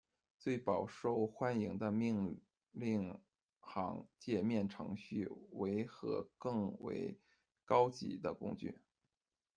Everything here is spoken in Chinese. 最饱受欢迎的命令行界面程序为和更为高级的工具。